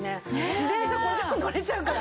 自転車これで乗れちゃうから。